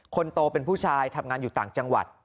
คนโตเป็นผู้ชายทำงานอยู่ต่างจังหวัด